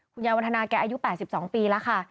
วันทนาแกอายุ๘๒ปีแล้วค่ะ